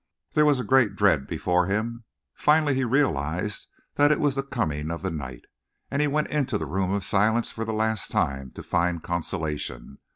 There was a great dread before him. Finally he realized that it was the coming of the night, and he went into the Room of Silence for the last time to find consolation.